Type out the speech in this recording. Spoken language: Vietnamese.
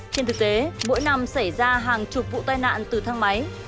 trên thực tế mỗi năm xảy ra hàng chục vụ tai nạn từ thang máy